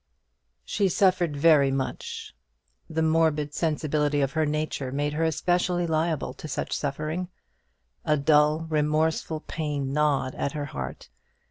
She suffered very much; the morbid sensibility of her nature made her especially liable to such suffering. A dull, remorseful pain gnawed at her heart.